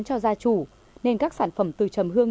thì các sản phẩm từ trầm hương